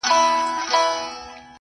علم د ناپوهۍ زنجیر ماتوي